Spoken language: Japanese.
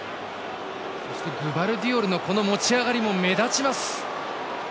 グバルディオルの持ち上がりも目立ちます。